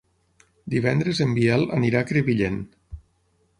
Divendres en Biel anirà a Crevillent.